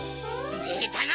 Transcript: でたな！